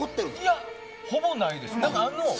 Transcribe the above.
いや、ほぼないです。